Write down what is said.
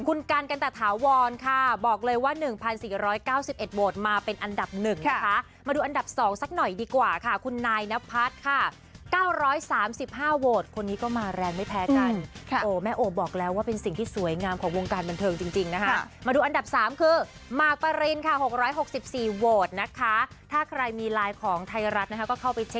คุณกันกันตะถาวรค่ะบอกเลยว่า๑๔๙๑โหวตมาเป็นอันดับหนึ่งนะคะมาดูอันดับ๒สักหน่อยดีกว่าค่ะคุณนายนพัฒน์ค่ะ๙๓๕โหวตคนนี้ก็มาแรงไม่แพ้กันโอ้แม่โอบอกแล้วว่าเป็นสิ่งที่สวยงามของวงการบันเทิงจริงนะคะมาดูอันดับ๓คือมากปรินค่ะ๖๖๔โหวตนะคะถ้าใครมีไลน์ของไทยรัฐนะคะก็เข้าไปเจ